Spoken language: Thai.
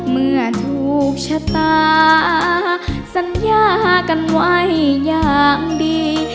เมื่อถูกชะตาสัญญากันไว้อย่างดี